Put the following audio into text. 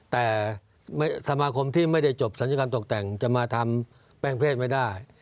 แต่สมาคมที่ไม่ได้จบศัลยกรรมตกแต่งจะมาทำแป้งเพศไม่ได้